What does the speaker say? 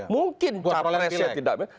mungkin capresnya tidak menang